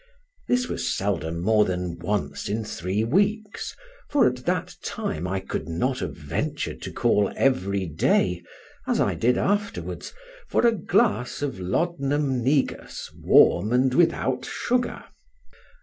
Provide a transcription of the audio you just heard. This was seldom more than once in three weeks, for at that time I could not have ventured to call every day, as I did afterwards, for "a glass of laudanum negus, warm, and without sugar."